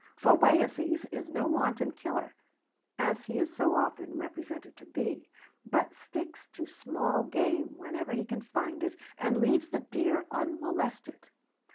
For Wayeeses is no wanton killer, as he is so often represented to be, but sticks to small game whenever he can find it, and leaves the deer unmolested.